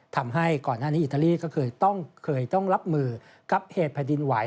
ทำให้ก่อนหน้านี้อิตาลีก็เคยต้องเคยต้องรับมือกับเหตุแผ่นดินไหว